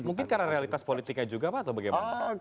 mungkin karena realitas politiknya juga pak atau bagaimana